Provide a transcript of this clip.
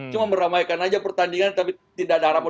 cuma meramaikan aja pertandingan tapi tidak ada harapan